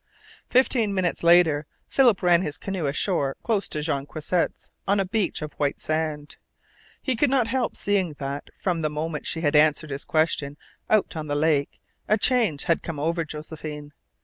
Fifteen minutes later Philip ran his canoe ashore close to Jean Croisset's on a beach of white sand. He could not help seeing that, from the moment she had answered his question out on the lake, a change had come over Josephine.